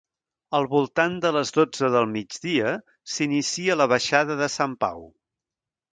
Al voltant de les dotze del migdia s'inicia la Baixada de sant Pau.